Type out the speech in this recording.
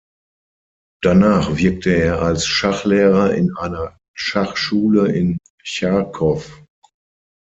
Danach wirkte er als Schachlehrer in einer Schachschule in Charkow.